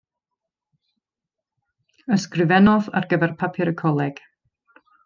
Ysgrifennodd ar gyfer papur y coleg.